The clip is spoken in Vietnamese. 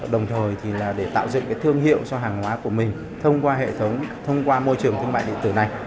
đồng thời tạo dựng thương hiệu cho hàng hóa của mình thông qua hệ thống thông qua môi trường thương mại điện tử này